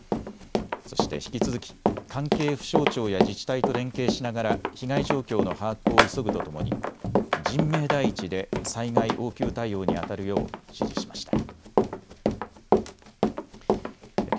そして引き続き関係府省庁や自治体と連携しながら被害状況の把握を急ぐとともに人命第一で災害応急対応にあたるよう指示しました。